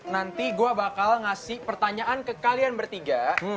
nanti gue bakal ngasih pertanyaan ke kalian bertiga